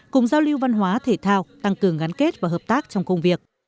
cùng giao lưu văn hóa thể thao tăng cường gắn kết và hợp tác trong công việc